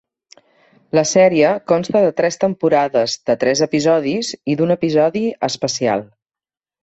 La sèrie consta de tres temporades de tres episodis i d'un episodi especial.